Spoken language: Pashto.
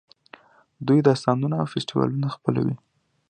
دوی داستانونه او فستیوالونه خپلوي.